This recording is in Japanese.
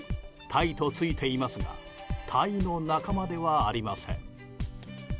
タイと付いていますがタイの仲間ではありません。